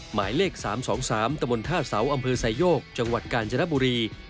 หมายเลข๓๒๓ตะบนท่าเสาอำเภอไซโยกจังหวัดกาญจนบุรี